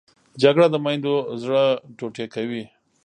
جګړه د میندو زړه ټوټې کوي